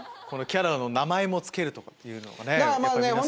このキャラの名前も付けるとかっていうのがね